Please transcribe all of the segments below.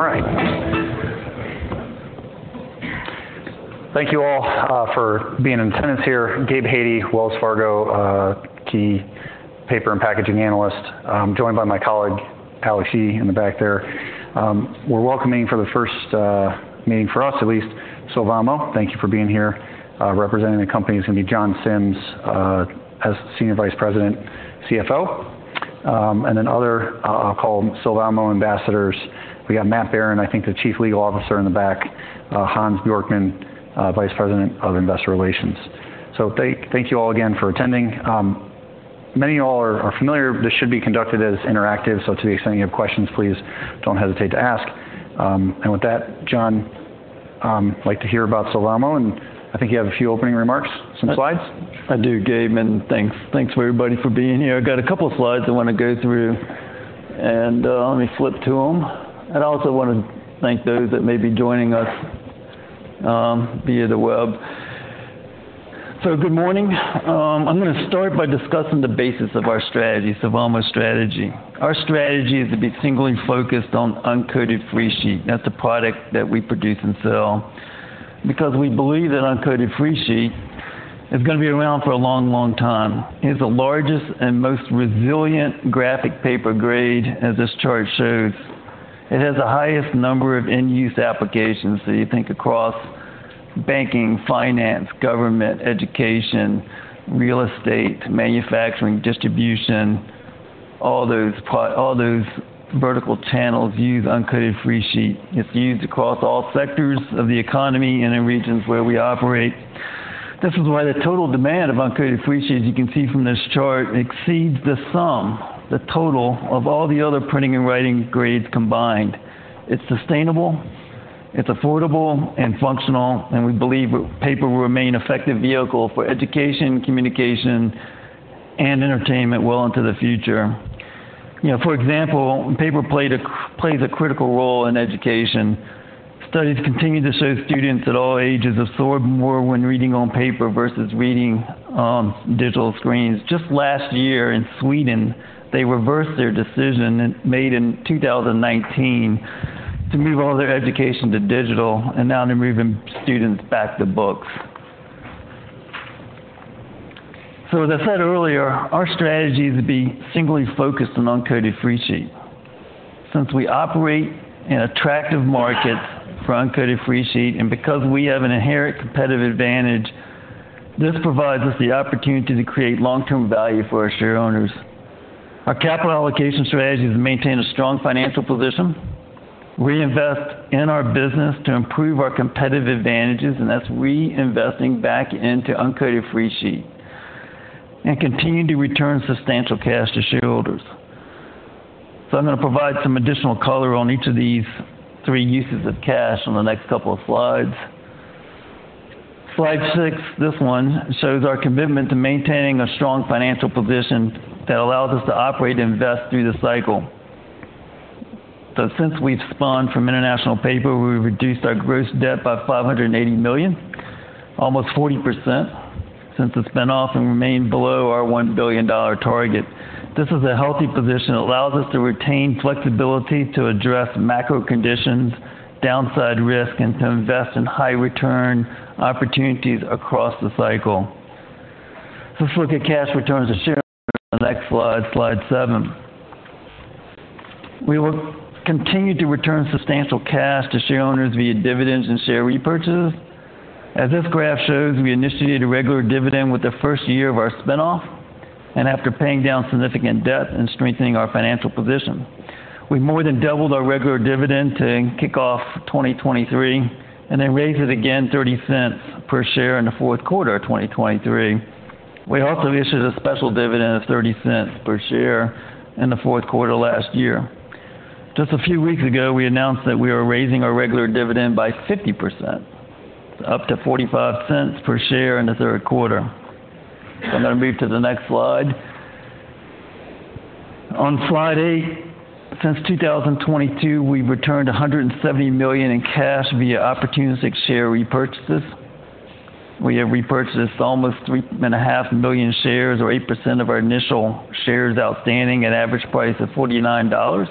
All right. Thank you all for being in attendance here. Gabe Hajde, Wells Fargo, key paper and packaging analyst. I'm joined by my colleague, Alex Yee, in the back there. We're welcoming for the first meeting, for us at least, Sylvamo. Thank you for being here. Representing the company is gonna be John Sims, as Senior Vice President, CFO. And then other, I'll call them Sylvamo ambassadors. We got Matt Barron, I think the Chief Legal Officer in the back, Hans Bjorkman, Vice President of Investor Relations. So thank you all again for attending. Many of y'all are familiar. This should be conducted as interactive, so to the extent you have questions, please don't hesitate to ask. And with that, John, I'd like to hear about Sylvamo, and I think you have a few opening remarks, some slides? I do, Gabe, and thanks. Thanks for everybody for being here. I've got a couple of slides I wanna go through, and let me flip to them. I'd also want to thank those that may be joining us via the web. So good morning. I'm gonna start by discussing the basis of our strategy, Sylvamo's strategy. Our strategy is to be singly focused on uncoated freesheet. That's a product that we produce and sell, because we believe that uncoated freesheet is gonna be around for a long, long time. It's the largest and most resilient graphic paper grade, as this chart shows. It has the highest number of end-use applications. So you think across banking, finance, government, education, real estate, manufacturing, distribution, all those vertical channels use uncoated freesheet. It's used across all sectors of the economy and in regions where we operate. This is why the total demand of uncoated freesheet, as you can see from this chart, exceeds the sum, the total, of all the other printing and writing grades combined. It's sustainable, it's affordable, and functional, and we believe paper will remain an effective vehicle for education, communication, and entertainment well into the future. You know, for example, paper plays a critical role in education. Studies continue to show students at all ages absorb more when reading on paper versus reading on digital screens. Just last year in Sweden, they reversed their decision, made in 2019, to move all their education to digital, and now they're moving students back to books. So as I said earlier, our strategy is to be singly focused on uncoated freesheet. Since we operate in attractive markets for uncoated freesheet, and because we have an inherent competitive advantage, this provides us the opportunity to create long-term value for our shareowners. Our capital allocation strategy is to maintain a strong financial position, reinvest in our business to improve our competitive advantages, and that's reinvesting back into uncoated freesheet, and continue to return substantial cash to shareholders. So I'm going to provide some additional color on each of these three uses of cash on the next couple of slides. Slide six, this one, shows our commitment to maintaining a strong financial position that allows us to operate and invest through the cycle. So since we've spun from International Paper, we've reduced our gross debt by $580 million, almost 40% since the spin-off, and remained below our $1 billion target. This is a healthy position that allows us to retain flexibility to address macro conditions, downside risk, and to invest in high-return opportunities across the cycle. Let's look at cash returns to shareholders on the next slide, slide seven. We will continue to return substantial cash to shareowners via dividends and share repurchases. As this graph shows, we initiated a regular dividend with the first year of our spin-off, and after paying down significant debt and strengthening our financial position. We've more than doubled our regular dividend to kick off 2023, and then raised it again $0.30 per share in the fourth quarter of 2023. We also issued a special dividend of $0.30 per share in the fourth quarter last year. Just a few weeks ago, we announced that we are raising our regular dividend by 50%, up to $0.45 per share in the third quarter. I'm going to move to the next slide. On Friday, since 2022, we've returned $170 million in cash via opportunistic share repurchases. We have repurchased almost 3.5 million shares, or 8% of our initial shares outstanding, at average price of $49.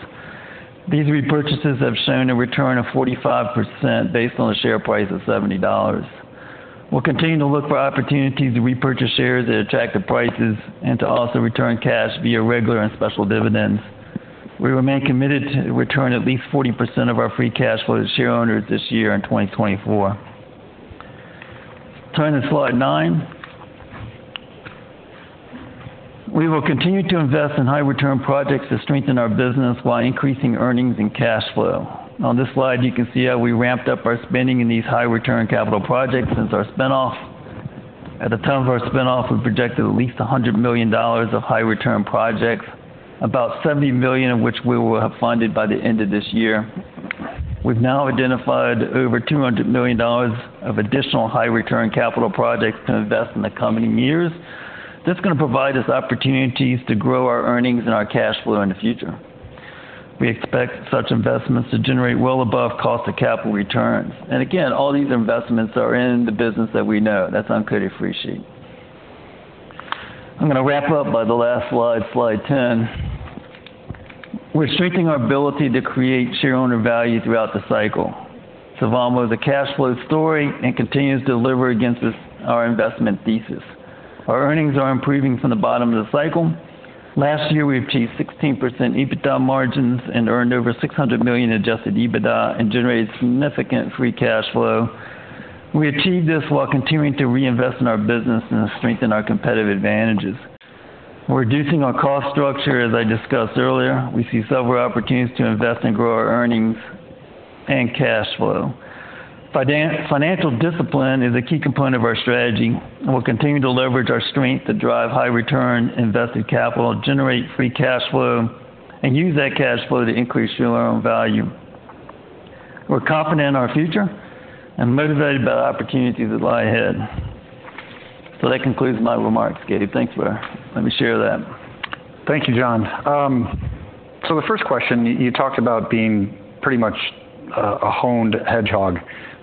These repurchases have shown a return of 45% based on a share price of $70. We'll continue to look for opportunities to repurchase shares at attractive prices and to also return cash via regular and special dividends. We remain committed to return at least 40% of our free cash flow to shareowners this year in 2024. Turning to slide nine. We will continue to invest in high-return projects to strengthen our business while increasing earnings and cash flow. On this slide, you can see how we ramped up our spending in these high-return capital projects since our spin-off. At the time of our spin-off, we projected at least $100 million of high-return projects, about $70 million of which we will have funded by the end of this year. We've now identified over $200 million of additional high-return capital projects to invest in the coming years. This is gonna provide us opportunities to grow our earnings and our cash flow in the future. We expect such investments to generate well above cost of capital returns. And again, all these investments are in the business that we know. That's uncoated freesheet. I'm gonna wrap up by the last slide, slide 10. We're strengthening our ability to create shareowner value throughout the cycle. Sylvamo was a cash flow story and continues to deliver against this, our investment thesis. Our earnings are improving from the bottom of the cycle. Last year, we achieved 16% EBITDA margins and earned over $600 million Adjusted EBITDA and generated significant free cash flow. We achieved this while continuing to reinvest in our business and strengthen our competitive advantages. We're reducing our cost structure, as I discussed earlier. We see several opportunities to invest and grow our earnings and cash flow. Financial discipline is a key component of our strategy, and we'll continue to leverage our strength to drive high return, invested capital, generate free cash flow, and use that cash flow to increase shareholder value. We're confident in our future and motivated by the opportunities that lie ahead. So that concludes my remarks. Gabe, thanks for letting me share that. Thank you, John. So the first question, you talked about being pretty much a honed hedgehog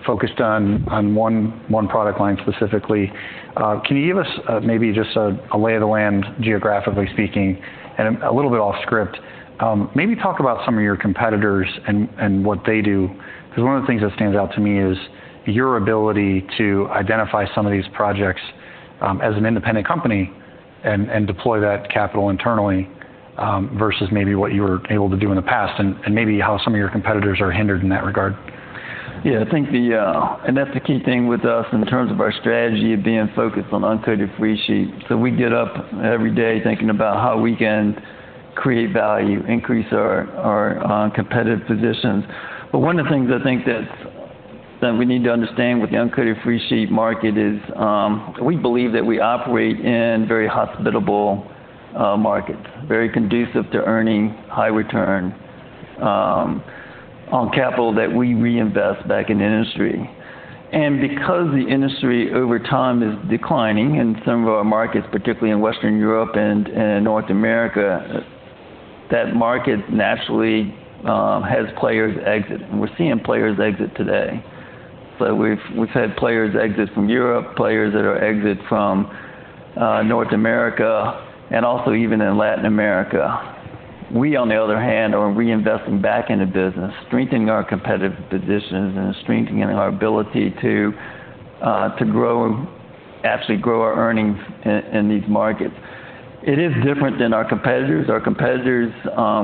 focused on one product line specifically. Can you give us maybe just a lay of the land, geographically speaking, and a little bit off script, maybe talk about some of your competitors and what they do? Because one of the things that stands out to me is your ability to identify some of these projects as an independent company and deploy that capital internally versus maybe what you were able to do in the past, and maybe how some of your competitors are hindered in that regard. Yeah, I think... And that's the key thing with us in terms of our strategy of being focused on uncoated freesheet. So we get up every day thinking about how we can create value, increase our competitive positions. But one of the things I think that's, that we need to understand with the uncoated freesheet market is, we believe that we operate in very hospitable markets, very conducive to earning high return on capital that we reinvest back in the industry. And because the industry, over time, is declining in some of our markets, particularly in Western Europe and North America, that market naturally has players exit, and we're seeing players exit today. So we've had players exit from Europe, players that are exiting from North America, and also even in Latin America. We, on the other hand, are reinvesting back in the business, strengthening our competitive positions and strengthening our ability to to grow, actually grow our earnings in, in these markets. It is different than our competitors. Our competitors,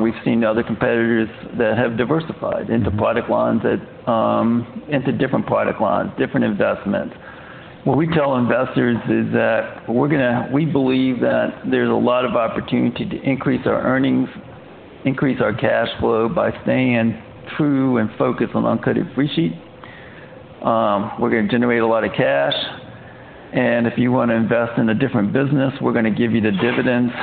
we've seen other competitors that have diversified into product lines that, into different product lines, different investments. What we tell investors is that we're gonna we believe that there's a lot of opportunity to increase our earnings, increase our cash flow by staying true and focused on uncoated freesheet. We're gonna generate a lot of cash, and if you wanna invest in a different business, we're gonna give you the dividends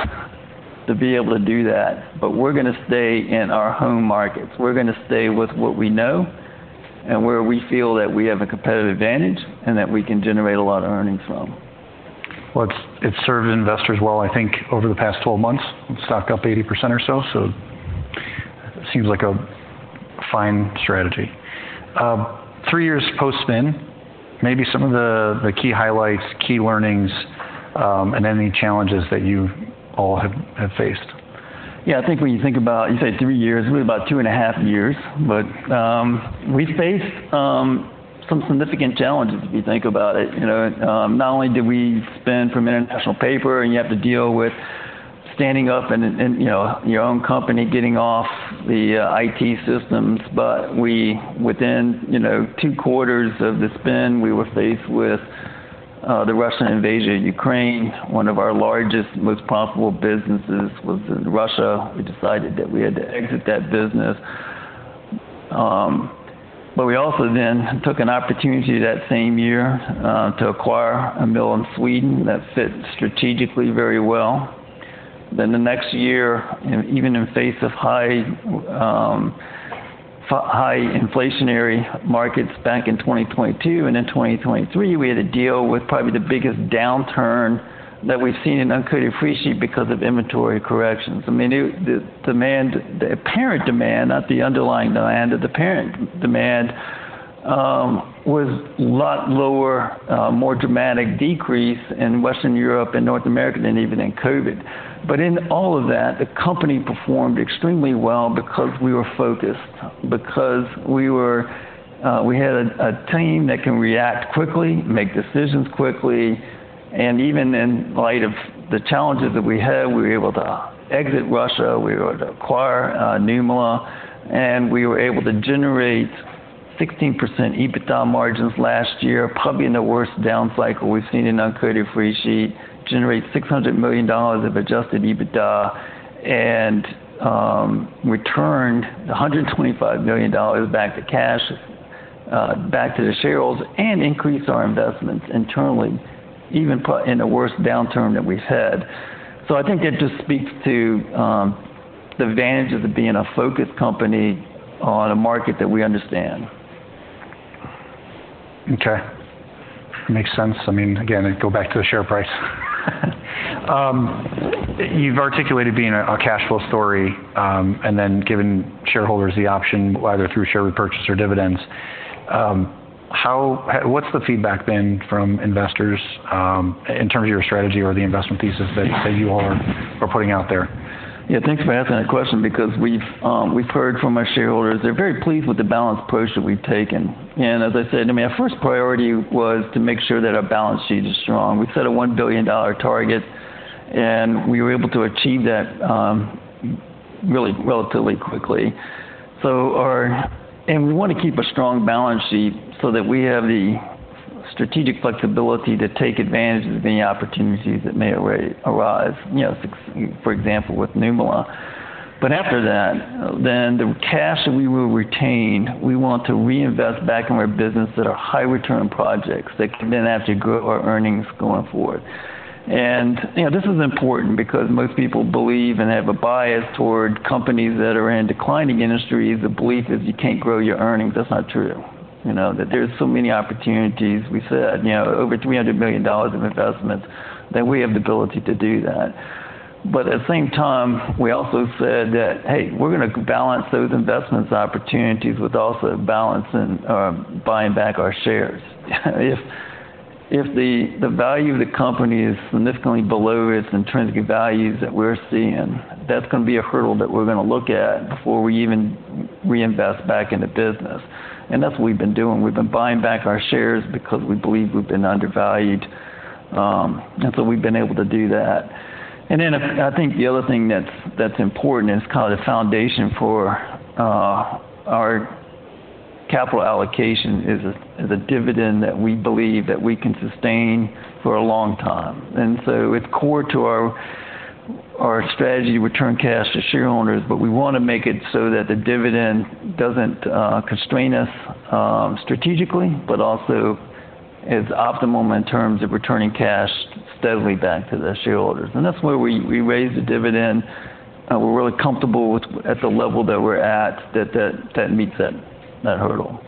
to be able to do that. But we're gonna stay in our home markets. We're gonna stay with what we know and where we feel that we have a competitive advantage and that we can generate a lot of earnings from. Well, it's served investors well, I think, over the past 12 months. The stock up 80% or so, so it seems like a fine strategy. 3 years post-spin, maybe some of the key highlights, key learnings, and any challenges that you all have faced. Yeah, I think when you think about, you said 3 years, it was about 2.5 years. But we faced some significant challenges, if you think about it. You know, not only did we spin from International Paper, and you have to deal with standing up and, and, you know, your own company, getting off the IT systems, but we, within, you know, 2 quarters of the spin, we were faced with the Russian invasion of Ukraine. One of our largest, most profitable businesses was in Russia. We decided that we had to exit that business. But we also then took an opportunity that same year to acquire a mill in Sweden. That fit strategically very well. Then the next year, you know, even in face of high, high inflationary markets back in 2022 and in 2023, we had to deal with probably the biggest downturn that we've seen in uncoated freesheet because of inventory corrections. I mean, the demand, the apparent demand, not the underlying demand, but the apparent demand, was a lot lower, more dramatic decrease in Western Europe and North America than even in COVID. But in all of that, the company performed extremely well because we were focused, because we were, we had a team that can react quickly, make decisions quickly, and even in light of the challenges that we had, we were able to exit Russia, we were able to acquire Nymölla, and we were able to generate 16% EBITDA margins last year, probably in the worst down cycle we've seen in uncoated freesheet, generate $600 million of adjusted EBITDA, and returned $125 million back to cash, back to the shareholders, and increased our investments internally, even in the worst downturn that we've had. So I think it just speaks to the advantage of it being a focused company on a market that we understand. Okay. Makes sense. I mean, again, I go back to the share price. You've articulated being a cash flow story, and then giving shareholders the option, either through share repurchase or dividends. What's the feedback then from investors in terms of your strategy or the investment thesis that you are putting out there? Yeah, thanks for asking that question, because we've heard from our shareholders, they're very pleased with the balanced approach that we've taken. And as I said, I mean, our first priority was to make sure that our balance sheet is strong. We set a $1 billion target, and we were able to achieve that really relatively quickly. So we want to keep a strong balance sheet so that we have the strategic flexibility to take advantage of any opportunities that may arise, you know, for example, with Nymölla. But after that, then the cash that we will retain, we want to reinvest back in our business that are high return projects, that can then have to grow our earnings going forward. And, you know, this is important because most people believe and have a bias toward companies that are in declining industries. The belief is you can't grow your earnings. That's not true. You know, that there are so many opportunities. We said, you know, over $300 million of investments, that we have the ability to do that. But at the same time, we also said that, "Hey, we're gonna balance those investments opportunities with also balancing, buying back our shares." If, if the, the value of the company is significantly below its intrinsic values that we're seeing, that's gonna be a hurdle that we're gonna look at before we even reinvest back in the business. And that's what we've been doing. We've been buying back our shares because we believe we've been undervalued, and so we've been able to do that. I think the other thing that's important is kind of the foundation for our capital allocation is a dividend that we believe that we can sustain for a long time. So it's core to our strategy, return cash to shareholders, but we wanna make it so that the dividend doesn't constrain us strategically, but also is optimum in terms of returning cash steadily back to the shareholders. That's why we raised the dividend, and we're really comfortable with at the level that we're at, that meets that hurdle.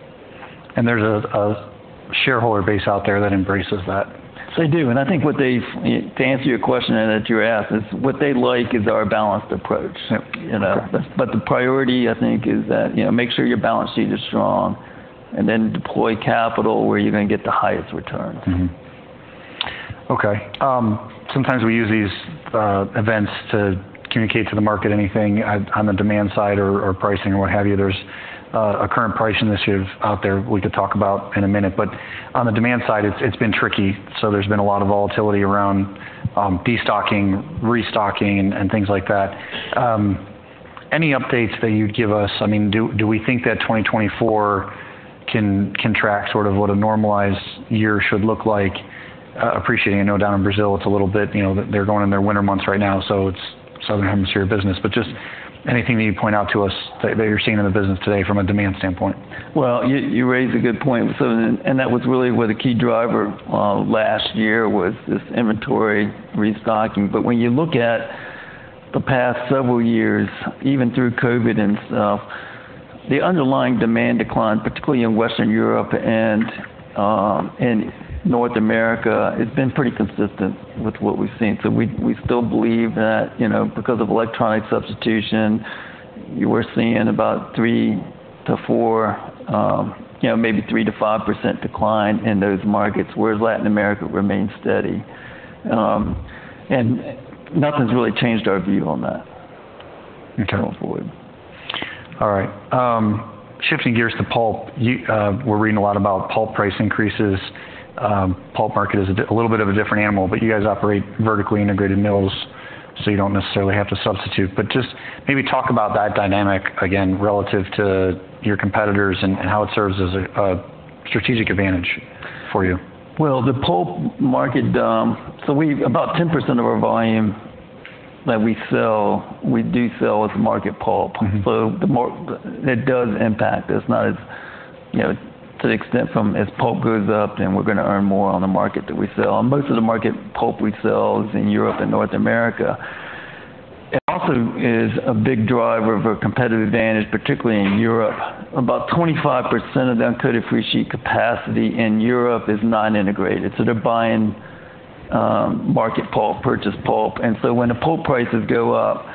And there's a shareholder base out there that embraces that? They do, and I think what they've to answer your question that you asked is what they like is our balanced approach. Yep. Okay. You know, but the priority, I think, is that, you know, make sure your balance sheet is strong, and then deploy capital where you're gonna get the highest returns. Okay, sometimes we use these events to communicate to the market anything on the demand side or pricing or what have you. There's a current price initiative out there we could talk about in a minute. But on the demand side, it's been tricky, so there's been a lot of volatility around destocking, restocking, and things like that. Any updates that you'd give us? I mean, do we think that 2024 can track sort of what a normalized year should look like? Appreciating, I know down in Brazil, it's a little bit, you know, they're going in their winter months right now, so it's southern hemisphere business. But just anything that you'd point out to us that you're seeing in the business today from a demand standpoint? Well, you raised a good point. So that was really where the key driver last year was, inventory restocking. But when you look at the past several years, even through COVID and stuff, the underlying demand decline, particularly in Western Europe and North America, it's been pretty consistent with what we've seen. So we still believe that, you know, because of electronic substitution, we're seeing about 3% to 4%, you know, maybe 3% to 5% decline in those markets, whereas Latin America remains steady. And nothing's really changed our view on that going forward. All right. Shifting gears to pulp. You, we're reading a lot about pulp price increases. Pulp market is a little bit of a different animal, but you guys operate vertically integrated mills, so you don't necessarily have to substitute. But just maybe talk about that dynamic again, relative to your competitors and, and how it serves as a, a strategic advantage for you. Well, the pulp market, so we've about 10% of our volume that we sell, we do sell as market pulp. Mm-hmm. It does impact us, not as, you know, to the extent from as pulp goes up, then we're gonna earn more on the market that we sell. And most of the market pulp we sell is in Europe and North America. It also is a big driver of a competitive advantage, particularly in Europe. About 25% of the uncoated freesheet capacity in Europe is non-integrated, so they're buying market pulp, purchased pulp. And so when the pulp prices go up,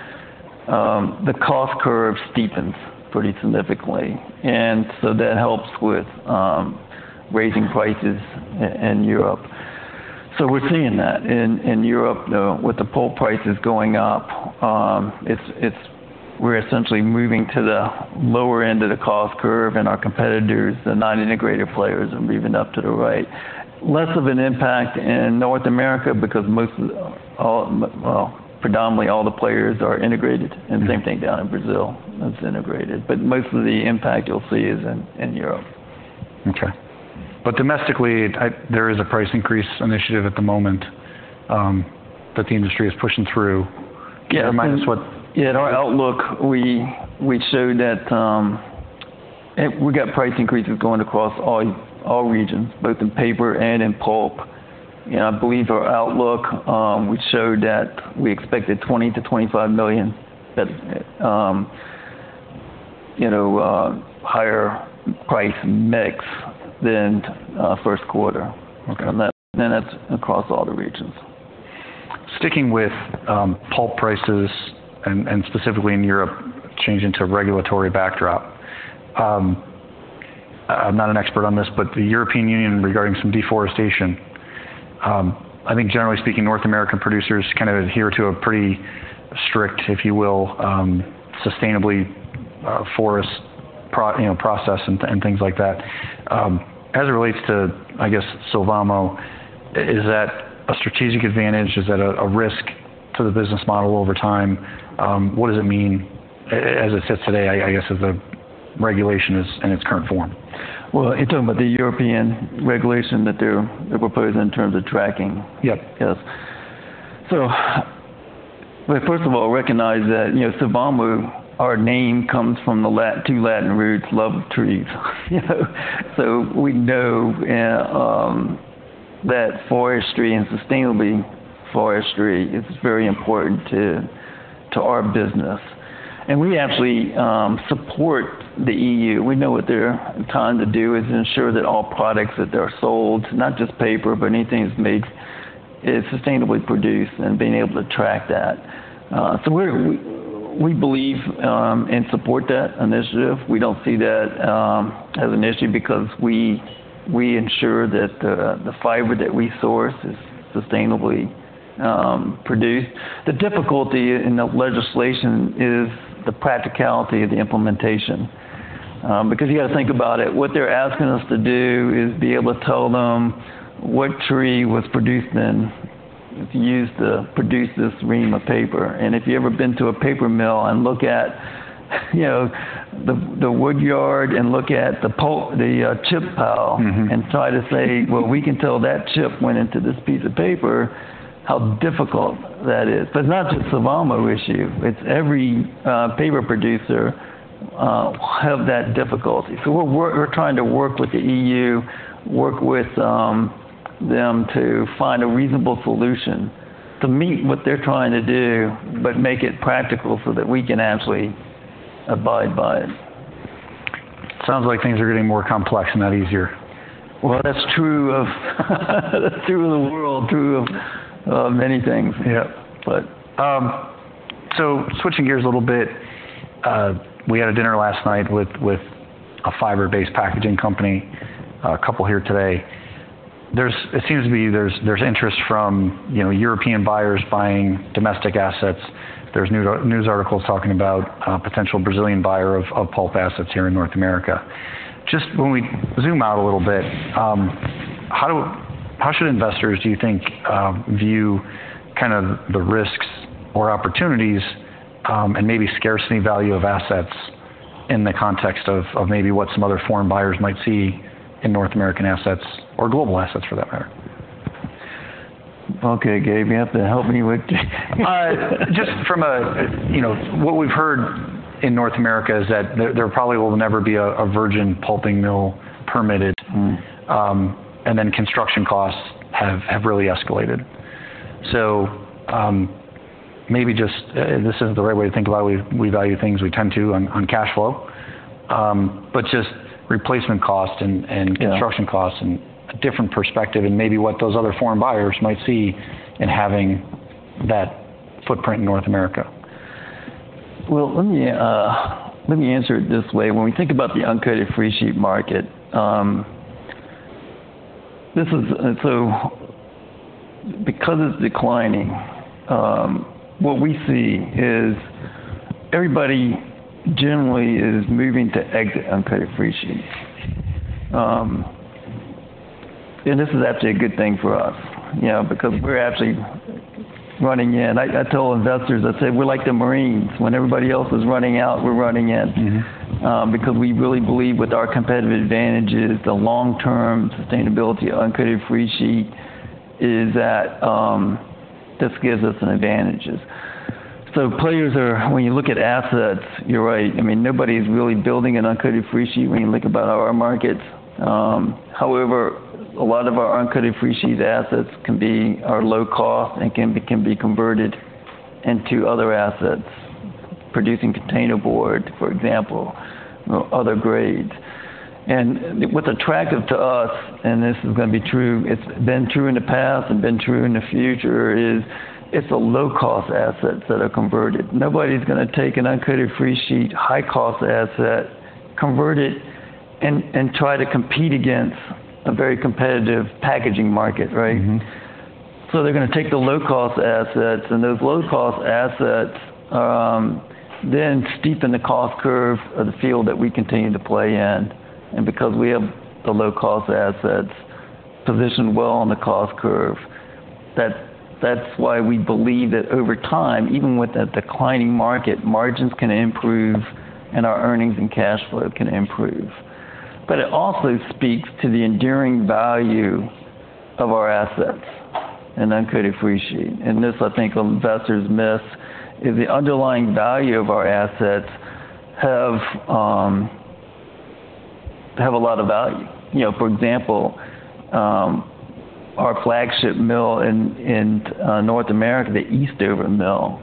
the cost curve steepens pretty significantly, and so that helps with raising prices in Europe. So we're seeing that in Europe with the pulp prices going up, it's we're essentially moving to the lower end of the cost curve, and our competitors, the non-integrated players, are moving up to the right. Less of an impact in North America because predominantly all the players are integrated. Mm-hmm. Same thing down in Brazil, it's integrated. Most of the impact you'll see is in Europe. Okay. But domestically, there is a price increase initiative at the moment that the industry is pushing through? Yeah. And minus what? Yeah, in our outlook, we showed that we got price increases going across all regions, both in paper and in pulp. And I believe our outlook, we showed that we expected $20 million to $25 million that, you know, higher price mix than Q1. Okay. And that's across all the regions. Sticking with pulp prices and specifically in Europe, the changing regulatory backdrop. I'm not an expert on this, but the European Union, regarding some deforestation, I think generally speaking, North American producers kind of adhere to a pretty strict, if you will, sustainable forest process and things like that. As it relates to, I guess, Sylvamo, is that a strategic advantage? Is that a risk to the business model over time? What does it mean as it sits today, I guess, as the regulation is in its current form? Well, you're talking about the European regulation that they're proposing in terms of tracking? Yep. Yes. So, well, first of all, recognize that, you know, Sylvamo, our name comes from two Latin roots, love of trees, you know. So we know that forestry and sustainable forestry is very important to our business, and we actually support the E.U. We know what they're trying to do is ensure that all products that are sold, not just paper, but anything that's made, is sustainably produced and being able to track that. So we believe and support that initiative. We don't see that as an issue because we ensure that the fiber that we source is sustainably produced. The difficulty in the legislation is the practicality of the implementation. Because you gotta think about it, what they're asking us to do is be able to tell them what tree was produced and used to produce this ream of paper. And if you've ever been to a paper mill and look at, you know, the wood yard and look at the pulp, the chip pile Mm-hmm and try to say, "Well, we can tell that chip went into this piece of paper," how difficult that is. But it's not just a Sylvamo issue, it's every paper producer have that difficulty. So we're trying to work with the EU, work with them to find a reasonable solution to meet what they're trying to do, but make it practical so that we can actually abide by it. Sounds like things are getting more complex, not easier. Well, that's true of the world, true of many things. Yep. But, so switching gears a little bit, we had a dinner last night with a fiber-based packaging company, a couple here today. There's interest from, you know, European buyers buying domestic assets. There's news articles talking about potential Brazilian buyer of pulp assets here in North America. Just when we zoom out a little bit, how do, how should investors, do you think, view kind of the risks or opportunities, and maybe scarcity value of assets in the context of maybe what some other foreign buyers might see in North American assets or global assets for that matter? Okay, Gabe, you have to help me with. Just from, you know, what we've heard in North America is that there probably will never be a virgin pulping mill permitted. Mm. Then construction costs have really escalated. Maybe just this isn't the right way to think about we value things we tend to on cash flow, but just replacement cost and, and Yeah construction costs and a different perspective, and maybe what those other foreign buyers might see in having that footprint in North America. Well, let me answer it this way. When we think about the uncoated freesheet market, because it's declining, what we see is everybody generally is moving to exit uncoated freesheet. And this is actually a good thing for us, you know, because we're actually running in. I tell investors, I say, "We're like the Marines. When everybody else is running out, we're running in Mm-hmm because we really believe, with our competitive advantages, the long-term sustainability of uncoated freesheet is that, this gives us an advantages." So players are. When you look at assets, you're right. I mean, nobody's really building an uncoated freesheet when you think about our markets. However, a lot of our uncoated freesheet assets can be, are low-cost and can be, can be converted into other assets, producing containerboard, for example, or other grades. And what's attractive to us, and this is gonna be true, it's been true in the past and been true in the future, is it's low-cost assets that are converted. Nobody's gonna take an uncoated freesheet, high-cost asset, convert it, and, and try to compete against a very competitive packaging market, right? Mm-hmm. So they're gonna take the low-cost assets, and those low-cost assets then steepen the cost curve of the field that we continue to play in. And because we have the low-cost assets positioned well on the cost curve, that's why we believe that over time, even with that declining market, margins can improve and our earnings and cash flow can improve. But it also speaks to the enduring value of our assets and uncoated freesheet. And this, I think, investors miss, is the underlying value of our assets have a lot of value. You know, for example, our flagship mill in North America, the Eastover Mill,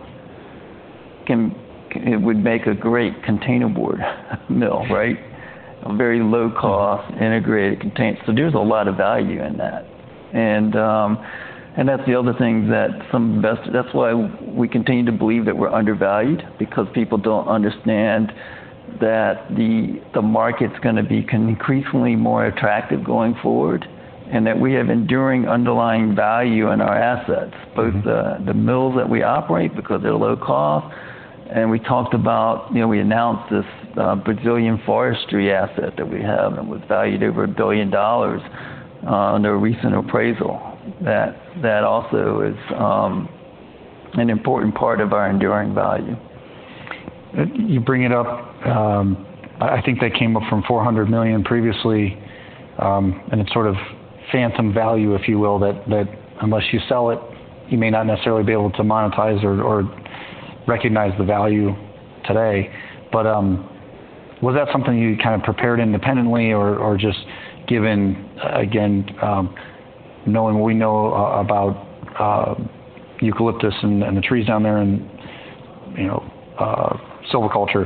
it would make a great containerboard mill, right? A very low cost, integrated containerboard. So there's a lot of value in that. That's why we continue to believe that we're undervalued, because people don't understand that the, the market's gonna be increasingly more attractive going forward, and that we have enduring underlying value in our assets Mm-hmm. both the mills that we operate, because they're low cost, and we talked about, you know, we announced this Brazilian forestry asset that we have, and was valued over $1 billion under a recent appraisal, that also is an important part of our enduring value. You bring it up, I think that came up from $400 million previously, and it's sort of phantom value, if you will, that, that unless you sell it, you may not necessarily be able to monetize or, or recognize the value today. But, was that something you kind of prepared independently or, or just given, again, knowing what we know about eucalyptus and, and the trees down there and, you know, silviculture,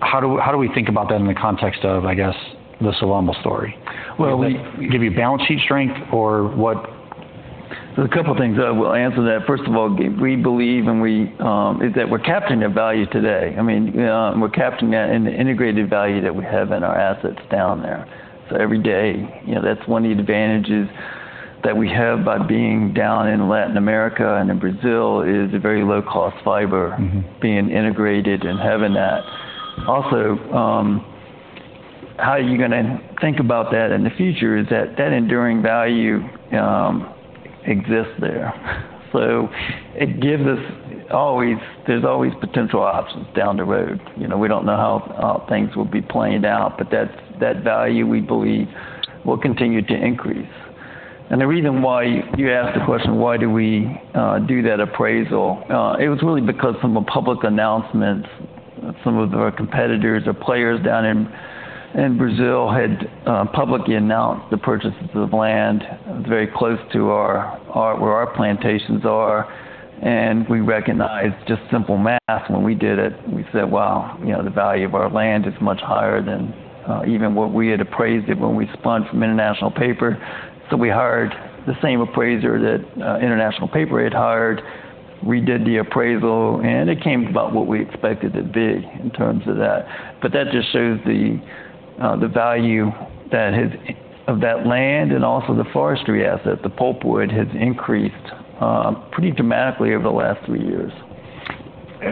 how do we, how do we think about that in the context of, I guess, the Sylvamo story? Well, we Give you balance sheet strength or what? There's a couple things that will answer that. First of all, we believe that we're capturing the value today. I mean, we're capturing that in the integrated value that we have in our assets down there. So every day, you know, that's one of the advantages that we have by being down in Latin America, and in Brazil, is a very low-cost fiber Mm-hmm being integrated and having that. Also, how you're gonna think about that in the future is that, that enduring value, exists there. So it gives us always there's always potential options down the road. You know, we don't know how things will be playing out, but that, that value, we believe, will continue to increase. And the reason why you asked the question, why do we do that appraisal? It was really because some public announcements, some of our competitors or players down in Brazil had publicly announced the purchases of land very close to our where our plantations are, and we recognized just simple math when we did it. We said, "Wow, you know, the value of our land is much higher than even what we had appraised it when we spun from International Paper." So we hired the same appraiser that International Paper had hired. We did the appraisal, and it came about what we expected it to be in terms of that. But that just shows the value of that land and also the forestry asset. The pulpwood has increased pretty dramatically over the last three years.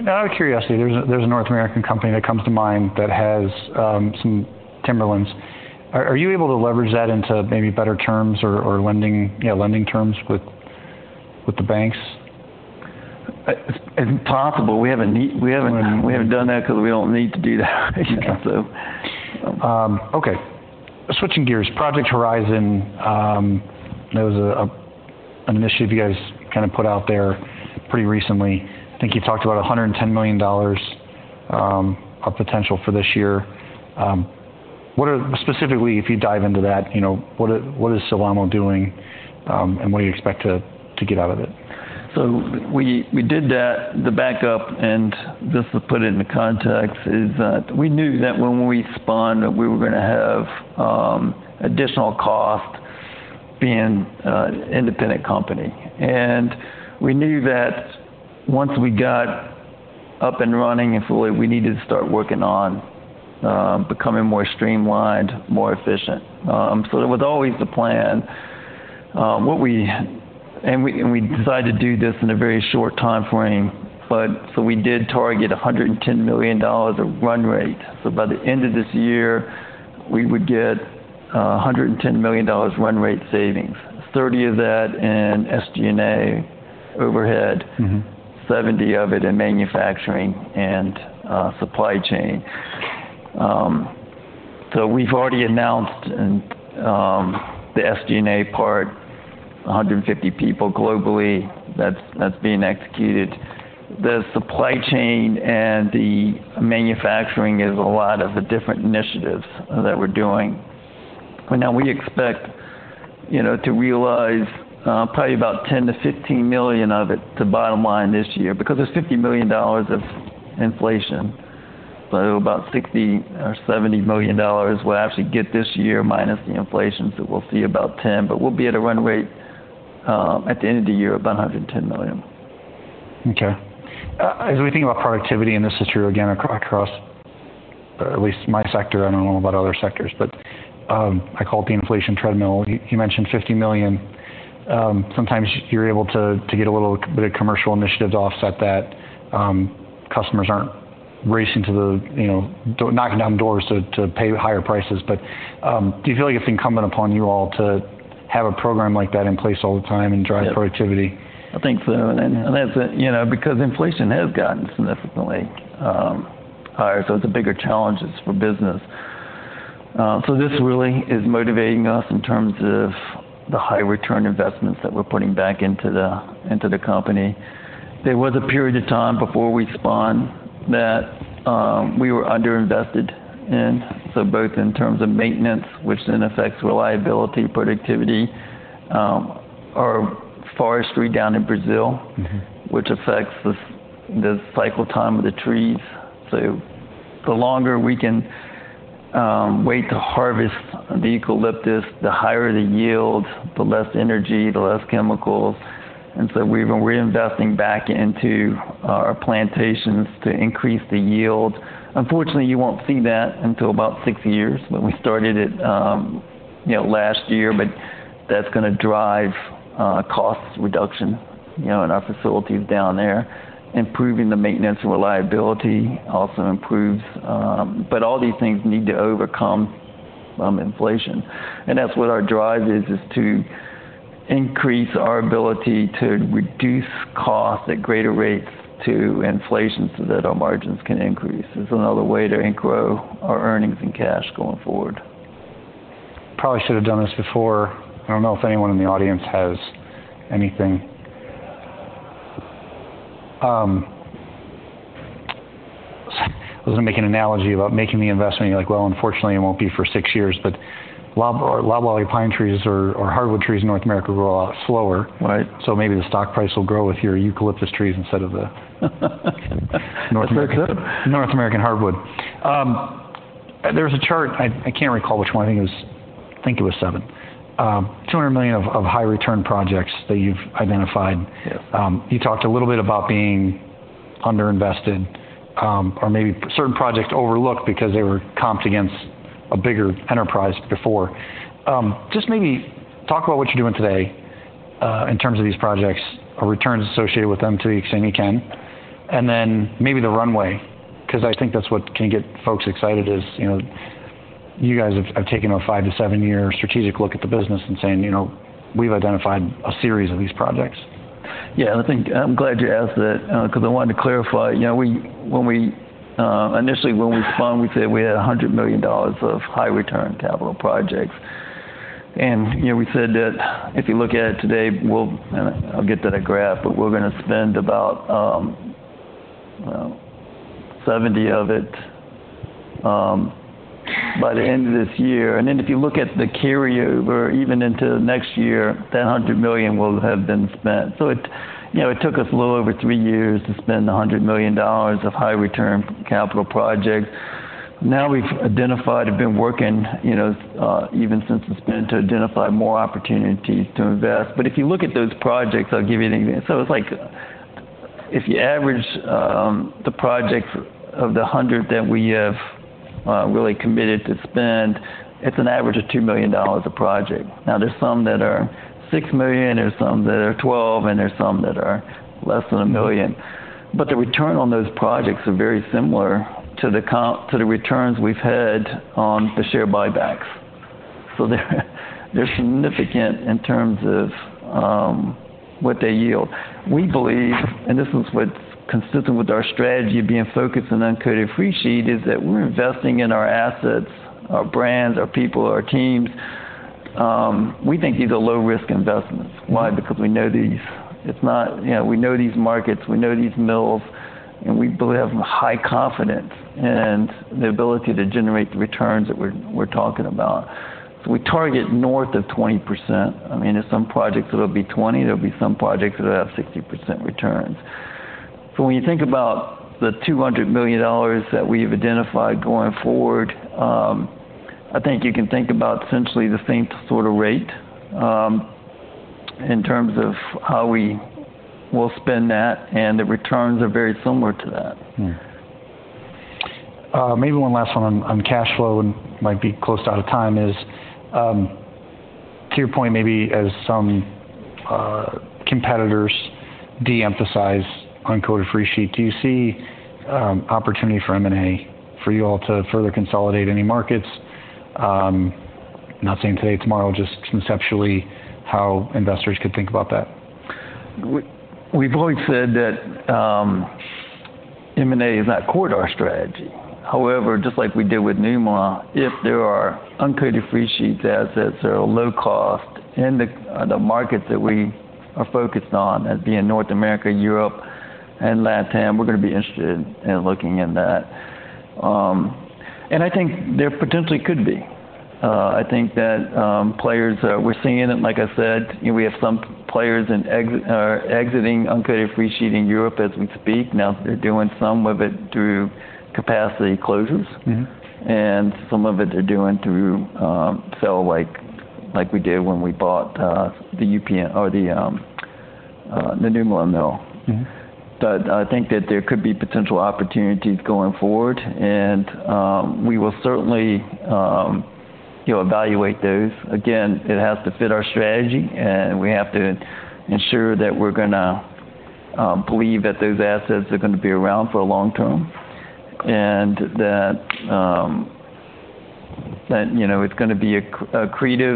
Out of curiosity, there's a North American company that comes to mind that has some timberlands. Are you able to leverage that into maybe better terms or lending, you know, lending terms with the banks? It's possible. We haven't, we haven't done that because we don't need to do that. So, Okay. Switching gears. Project Horizon, that was an initiative you guys kind of put out there pretty recently. I think you talked about $110 million of potential for this year. Specifically, if you dive into that, you know, what is Sylvamo doing? And what do you expect to get out of it? So we did that, the backup, and just to put it into context, is that we knew that when we spun, that we were gonna have additional cost being an independent company. And we knew that once we got up and running fully, we needed to start working on becoming more streamlined, more efficient. So that was always the plan. And we decided to do this in a very short time frame, but, so we did target $110 million of run rate. So by the end of this year, we would get $110 million run rate savings, 30 of that in SG&A overhead- Mm-hmm 70 of it in manufacturing and, supply chain. So we've already announced the SG&A part, 150 people globally. That's, that's being executed. The supply chain and the manufacturing is a lot of the different initiatives that we're doing. But now we expect, you know, to realize probably about $10 million to $15 million of it to bottom line this year, because there's $50 million of inflation. So about $60 million or $70 million, we'll actually get this year, minus the inflation, so we'll see about $10 million, but we'll be at a run rate, at the end of the year, of about $110 million. Okay. As we think about productivity, and this is true again, across at least my sector, I don't know about other sectors, but I call it the inflation treadmill. You mentioned $50 million. Sometimes you're able to get a little bit of commercial initiatives to offset that. Customers aren't racing to the, you know, door, knocking down doors to pay higher prices. But do you feel like it's incumbent upon you all to have a program like that in place all the time and drive productivity? I think so, and then, and that's, you know, because inflation has gotten significantly higher, so it's a bigger challenges for business. So this really is motivating us in terms of the high return investments that we're putting back into the, into the company. There was a period of time before we spun that, we were underinvested in, so both in terms of maintenance, which then affects reliability, productivity. Our forestry down in Brazil, Mm-hmm. which affects the cycle time of the trees. So the longer we can wait to harvest the eucalyptus, the higher the yield, the less energy, the less chemicals. And so we've been reinvesting back into our plantations to increase the yield. Unfortunately, you won't see that until about six years, but we started it, you know, last year, but that's gonna drive cost reduction, you know, in our facilities down there. Improving the maintenance and reliability also improves. But all these things need to overcome inflation. And that's what our drive is, is to increase our ability to reduce cost at greater rates to inflation so that our margins can increase. It's another way to grow our earnings and cash going forward. Probably should have done this before. I don't know if anyone in the audience has anything. I was gonna make an analogy about making the investment. You're like: Well, unfortunately, it won't be for six years. But loblolly pine trees or hardwood trees in North America grow a lot slower. Right. So maybe the stock price will grow with your eucalyptus trees instead of the- North American? North American hardwood. There was a chart, I can't recall which one. I think it was seven. $200 million of high return projects that you've identified. Yes. You talked a little bit about being underinvested, or maybe certain projects overlooked because they were compared against a bigger enterprise before. Just maybe talk about what you're doing today, in terms of these projects or returns associated with them, to the extent you can, and then maybe the runway, 'cause I think that's what can get folks excited, is, you know, you guys have taken a 5 to 7 year strategic look at the business and saying, "You know, we've identified a series of these projects. Yeah, I think... I'm glad you asked that, 'cause I wanted to clarify. You know, when we initially, when we spun, we said we had $100 million of high-return capital projects. And, you know, we said that if you look at it today, we'll, and I'll get to the graph, but we're gonna spend about 70 of it by the end of this year. And then if you look at the carryover, even into next year, that $100 million will have been spent. So it, you know, it took us a little over three years to spend $100 million of high-return capital projects. Now, we've identified and been working, you know, even since the spend, to identify more opportunities to invest. But if you look at those projects, I'll give you an example. So it's like, if you average, the projects of the 100 that we have really committed to spend, it's an average of $2 million a project. Now, there's some that are $6 million, there's some that are $12 million, and there's some that are less than $1 million. But the return on those projects are very similar to the returns we've had on the share buybacks. So they're, they're significant in terms of, what they yield. We believe, and this is what's consistent with our strategy being focused on uncoated freesheet, is that we're investing in our assets, our brands, our people, our teams. We think these are low-risk investments. Why? Because we know these. It's not, You know, we know these markets, we know these mills, and we believe have high confidence in the ability to generate the returns that we're, we're talking about. So we target north of 20%. I mean, there's some projects that'll be 20, there'll be some projects that have 60% returns. So when you think about the $200 million that we've identified going forward, I think you can think about essentially the same sort of rate, in terms of how we will spend that, and the returns are very similar to that. Maybe one last one on, on cash flow, and might be close out of time, is, to your point, maybe as some, competitors de-emphasize uncoated freesheet, do you see, opportunity for M&A for you all to further consolidate any markets? Not saying today, tomorrow, just conceptually, how investors could think about that. We've always said that M&A is not core to our strategy. However, just like we did with Nymölla, if there are uncoated freesheets assets that are low cost in the markets that we are focused on, as being North America, Europe, and Latam, we're gonna be interested in looking in that. And I think there potentially could be. I think that players we're seeing it, like I said, you know, we have some players in exit are exiting uncoated freesheet in Europe as we speak. Now, they're doing some of it through capacity closures Mm-hmm. and some of it they're doing through, so like, like we did when we bought the Nymölla mill. Mm-hmm. But I think that there could be potential opportunities going forward, and we will certainly, you know, evaluate those. Again, it has to fit our strategy, and we have to ensure that we're gonna believe that those assets are gonna be around for the long term, and that, you know, it's gonna be accretive